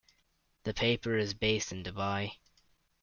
The paper is based in Dubai.